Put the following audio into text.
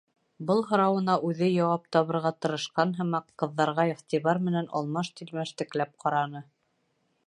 Был һорауына үҙе яуап табырға тырышҡан һымаҡ, ҡыҙҙарға иғтибар менән алмаш-тилмәш текләп ҡараны.